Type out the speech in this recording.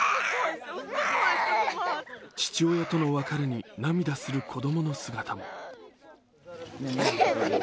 父親との別れに涙する子供の姿も。